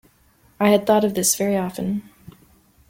I had thought of this very often.